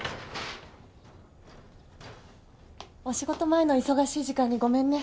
お仕事前の忙しい時間にごめんね。